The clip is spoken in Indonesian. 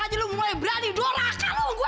waduh mati lagi lorak